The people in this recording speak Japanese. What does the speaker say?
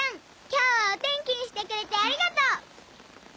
今日はお天気にしてくれてありがとう！